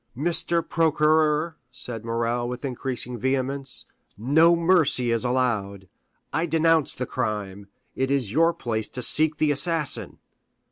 Now, M. le Procureur du Roi," said Morrel with increasing vehemence, "no mercy is allowed; I denounce the crime; it is your place to seek the assassin."